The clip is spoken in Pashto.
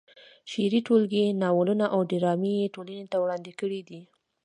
شعري ټولګې، ناولونه او ډرامې یې ټولنې ته وړاندې کړې دي.